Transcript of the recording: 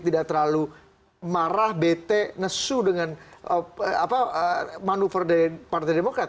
tidak terlalu marah bete nesu dengan manuver dari partai demokrat